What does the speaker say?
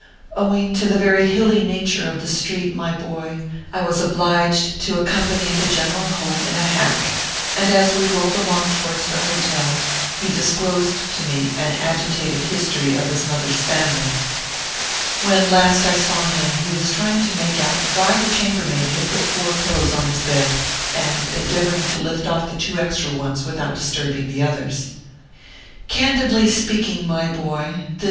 Owing to the very hilly nature of the street, my boy, I was obliged to accompany the general home in a hack ; and as we rolled along towards the hotel, he disclosed to me an agitated history of his mother s family. When last I saw him he was trying to make out why the chambermaid had put four pillows on his bed, and endeavoring to lift off the two extra ones without disturbing the others. 172 ORPHEUS 0.